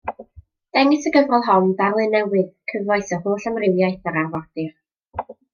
Dengys y gyfrol hon ddarlun newydd, cyfoes o holl amrywiaeth yr arfordir.